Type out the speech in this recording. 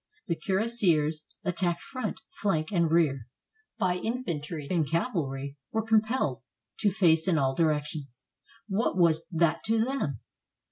The cuirassiers, attacked front, flank, and rear, by infantry and cavalry, were compelled to face in all directions. What was that to them?